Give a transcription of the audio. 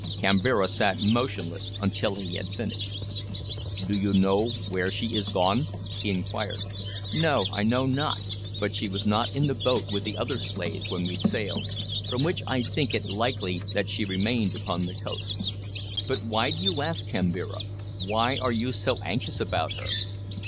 Kambira sat motionless until he had finished. "Do you know where she is gone?" he inquired. "No. I know not; but she was not in the boat with the other slaves when we sailed, from which I think it likely that she remained upon the coast. But why do you ask, Kambira, why are you so anxious about her?"